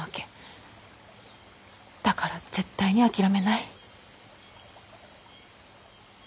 だから絶対に諦めない。